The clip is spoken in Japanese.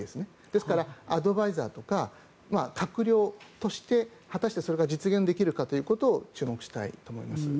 ですから、アドバイザーとか閣僚として果たしてそれが実現できるかということを注目したいと思います。